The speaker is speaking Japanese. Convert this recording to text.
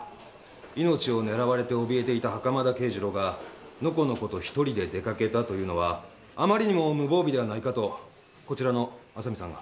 命を狙われておびえていた袴田啓二郎がのこのこと一人で出掛けたというのはあまりにも無防備ではないかとこちらの浅見さんが。